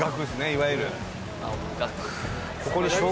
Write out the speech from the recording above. いわゆる。